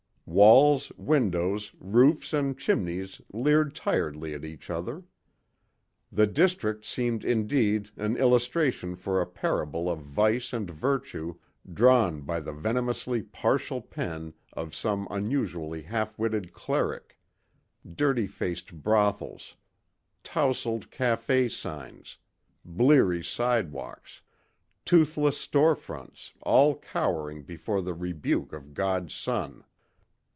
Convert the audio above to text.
Walls, windows, roofs and chimneys leered tiredly at each other. The district seemed indeed an illustration for a parable of Vice and Virtue drawn by the venomously partial pen of some unusually half witted cleric dirty faced brothels, tousled café signs, bleery sidewalks, toothless storefronts all cowering before the rebuke of God's sun.